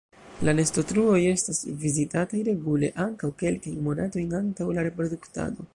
La nestotruoj estas vizitataj regule ankaŭ kelkajn monatojn antaŭ la reproduktado.